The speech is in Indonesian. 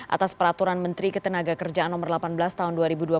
atas peraturan menteri ketenaga kerjaan no delapan belas tahun dua ribu dua puluh